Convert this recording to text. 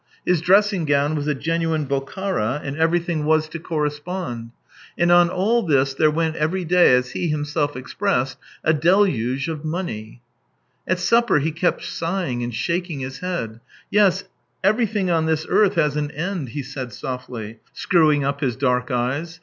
His dressing gown was a genuine Bokhara, and everything was to correspond; and on all this there went every day, as he himself expressed, " a deluge " of money. At supper he kept sighing and shaking his head. " Yes, everything on this earth has an end," he said softly, screwing up his dark eyes.